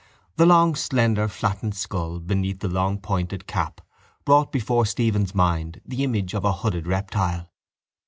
The long slender flattened skull beneath the long pointed cap brought before Stephen's mind the image of a hooded reptile.